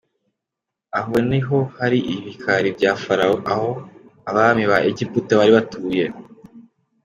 Aho ni ho hari ibikari bya Farawo, aho abami ba Egiputa bari batuye.